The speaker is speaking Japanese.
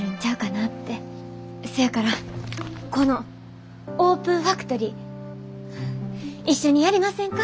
せやからこのオープンファクトリー一緒にやりませんか？